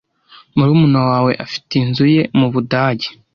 Murumuna wawe afite inzu ye mubudage?